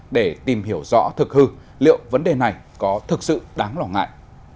để tìm hiểu rõ thực hư liệu vấn đề này có thực sự đáng lo ngại